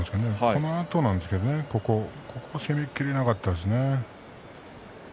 そのあとなんですけれどね攻めきれなかったですね。